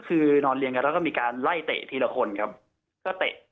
คือนอนเรียงกันแล้วก็มีการไล่เตะทีละคนครับก็เตะ